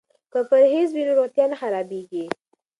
که پرهیز وي نو روغتیا نه خرابیږي.